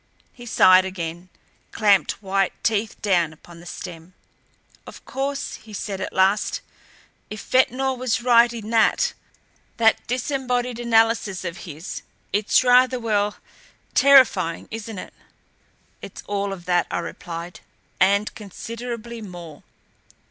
He sighed again, clamped white teeth down upon the stem. "Of course," he said at last, "if Ventnor was right in that that disembodied analysis of his, it's rather well, terrifying, isn't it?" "It's all of that," I replied, "and considerably more."